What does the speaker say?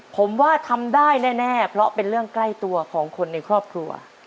ผมว่าทำได้แน่เพราะเป็นเรื่องใกล้ตัวของคนในครอบครัว